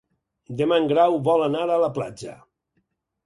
Demà en Grau vol anar a la platja.